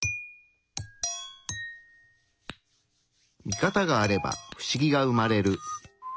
ミカタがあれば不思議が生まれる。